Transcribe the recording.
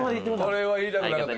これは言いたくなかった。